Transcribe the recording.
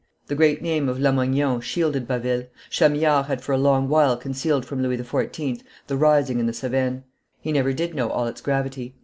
The great name of Lamoignon shielded Baville; Chamillard had for a long while concealed from Louis XIV. the rising in the Cevennes. He never did know all its gravity.